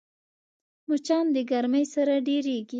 مچان د ګرمۍ سره ډېریږي